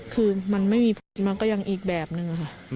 คือมันไม่มีพิษมันก็ยังอีกแบบนึงค่ะ